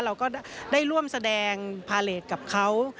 เราก็ได้ร่วมแสดงพาเลสกับเขา